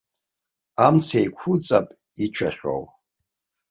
Амца еиқәуҵап ицәахьоу!